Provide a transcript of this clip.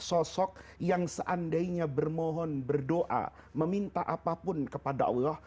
sosok yang seandainya bermohon berdoa meminta apapun kepada allah